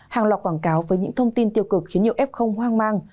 hàng loạt quảng cáo với những thông tin tiêu cực khiến nhiều f hoang mang